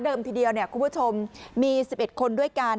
เดิมทีเดียวเนี้ยคุณผู้ชมมีสิบเอ็ดคนด้วยกัน